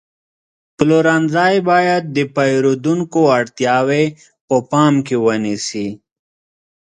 پلورنځی باید د پیرودونکو اړتیاوې په پام کې ونیسي.